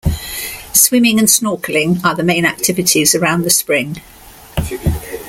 Swimming and snorkeling are the main activities around the spring.